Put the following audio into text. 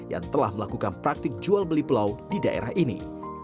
yang telah melakukan praktik jual beli pulau di daerah ini